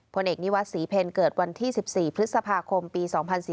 ผลเอกนิวัตรศรีเพลเกิดวันที่๑๔พฤษภาคมปี๒๔๔